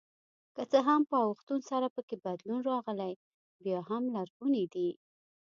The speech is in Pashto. که څه هم په اوښتون سره پکې بدلون راغلی بیا هم لرغوني دي.